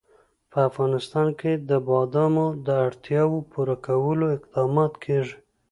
په افغانستان کې د بادامو د اړتیاوو پوره کولو اقدامات کېږي.